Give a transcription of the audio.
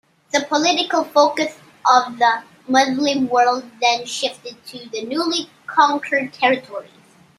The political focus of the Muslim world then shifted to the newly conquered territories.